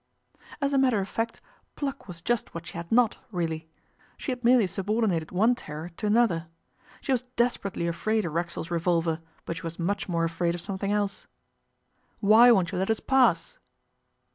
As a matter of fact, pluck was just what she had not, really; she had merely subordinated one terror to another. She was desperately afraid of Racksole's revolver, but she was much more afraid of something else. 'Why won't you let us pass?